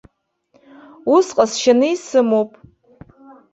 Ус ҟазшьаны исымоуп!